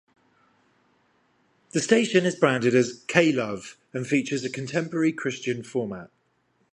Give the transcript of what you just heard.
The station is branded as "K-Love" and features a Contemporary Christian format.